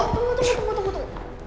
tunggu tunggu tunggu